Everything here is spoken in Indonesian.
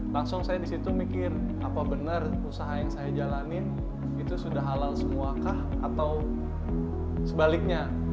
langsung saya disitu mikir apa benar usaha yang saya jalanin itu sudah halal semua kah atau sebaliknya